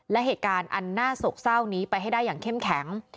และเหตุการณ์อันน่าโศกเศร้านี้ไปให้ได้อย่างเข้มแข็ง